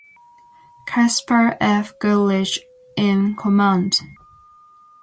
Caspar F. Goodrich in command.